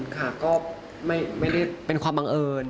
ค่ะก็ไม่ได้เป็นความบังเอิญ